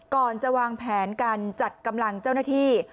ก่อนจะวางแผนการจัดกำลังเจ้าหน้าที่